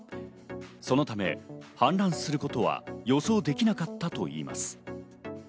そのため氾濫することは予想できなかったといいます。